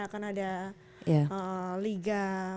akan ada liga